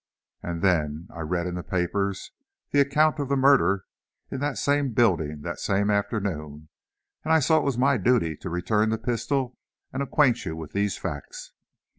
And then, I read in the papers the accounts of the murder in that same building, that same afternoon, and I saw it was my duty to return the pistol and acquaint you with these facts.